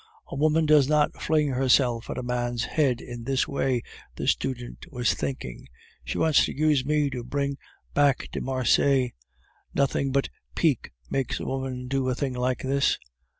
"A woman does not fling herself at a man's head in this way," the student was thinking. "She wants to use me to bring back de Marsay; nothing but pique makes a woman do a thing like this."